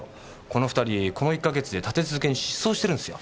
この２人この１か月で立て続けに失踪してるんすよ。